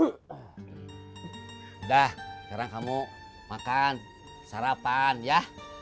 sudah sekarang kamu makan sarapan ya